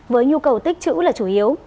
với nhu cầu tích trữ là chủ yếu